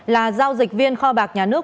là giao dịch viên kho bạc nhà nước